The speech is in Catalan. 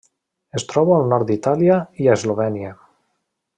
Es troba al nord d'Itàlia i a Eslovènia.